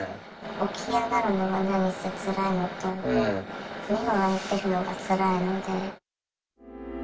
起き上がるのが何せつらいのと、目を開けているのがつらいので。